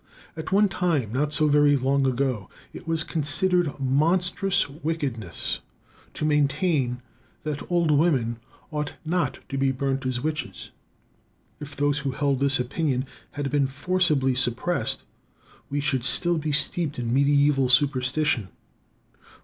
At one time not so very long ago it was considered monstrous wickedness to maintain that old women ought not to be burnt as witches. If those who held this opinion had been forcibly suppressed, we should still be steeped in medieval superstition.